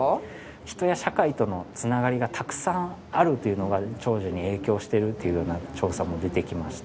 人や社会との繋がりがたくさんあるというのが長寿に影響しているというような調査も出てきまして。